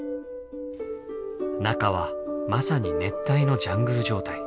中はまさに熱帯のジャングル状態。